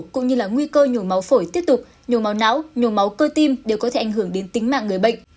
cũng như là nguy cơ nhổ máu phổi tiếp tục nhổ máu não nhổ máu cơ tim đều có thể ảnh hưởng đến tính mạng người bệnh